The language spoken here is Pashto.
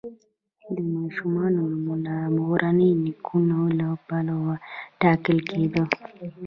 د ماشومانو نومونه د مورني نیکونو له پلوه ټاکل کیدل.